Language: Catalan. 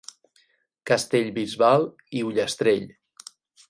Castellbisbal i Ullastrell.